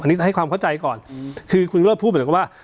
อันนี้จะให้ความเข้าใจก่อนคือคุณวิโรธพูดเหมือนกับว่า